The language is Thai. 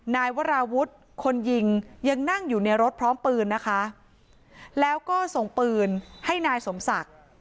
นายวราวุฒิคนยิงยังนั่งอยู่ในรถพร้อมปืนนะคะแล้วก็ส่งปืนให้นายสมศักดิ์